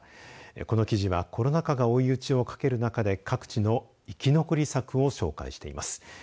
この記事はコロナ禍が追い打ちをかける中で各地の生き残り策を紹介しています。